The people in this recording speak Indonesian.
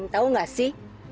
tahu nggak sih